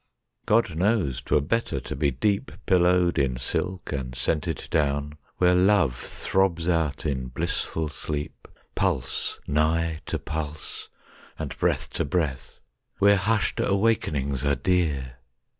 God knows 'twere better to be deep Pillowed in silk and scented down, Where Love throbs out in blissful sleep, Pulse nigh to pulse, and breath to breath, Where hushed awakenings are dear